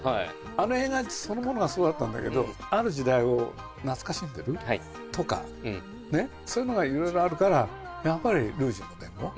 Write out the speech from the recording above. あの映画そのものがそうだったんだけど、ある時代を懐かしんでるとかね、そういうのがいろいろあるから、やっぱりルージュの伝言。